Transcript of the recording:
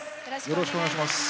よろしくお願いします。